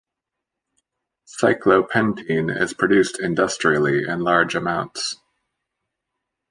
Cyclopentene is produced industrially in large amounts.